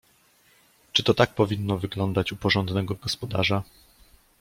"Czy to tak powinno wyglądać u porządnego gospodarza?"